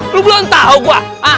lo belum tau gue